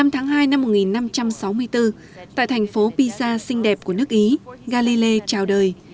một mươi tháng hai năm một nghìn năm trăm sáu mươi bốn tại thành phố piza xinh đẹp của nước ý galilei chào đời